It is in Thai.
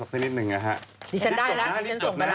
ดีฉันได้และดีฉันส่งไปละ